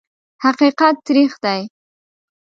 حقیقت تریخ دی .